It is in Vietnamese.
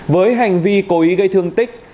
với hành vi cố ý gây thương tích